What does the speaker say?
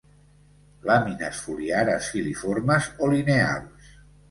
Làmines foliares filiformes, o lineals.